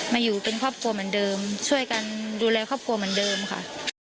อยู่เป็นครอบครัวเหมือนเดิมช่วยกันดูแลครอบครัวเหมือนเดิมค่ะ